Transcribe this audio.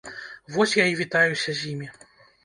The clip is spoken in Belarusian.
Вось я і вітаюся з імі.